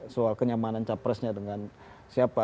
soal kenyamanan capresnya dengan siapa